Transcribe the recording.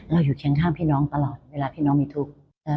อยู่เคียงข้างพี่น้องตลอดเวลาพี่น้องมีทุกข์